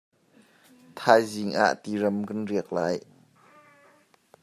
Thaizing ah ti ram kan riak lai.